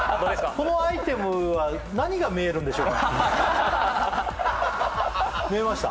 このアイテムは何が見えるんでしょうか見えました？